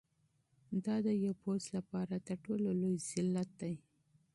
دا د یو پوځ لپاره تر ټولو لوی ذلت دی.